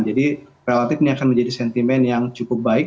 jadi relatif ini akan menjadi sentimen yang cukup baik